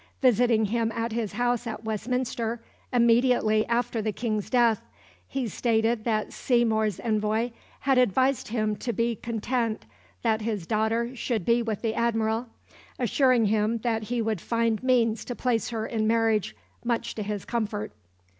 Visiting him at his house at Westminster "immediately after the King's death," he stated that Seymour's envoy had advised him to be content that his daughter should be with the Admiral, assuring him that he would find means to place her in marriage much to his comfort.